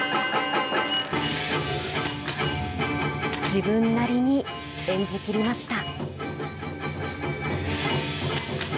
自分なりに演じきりました。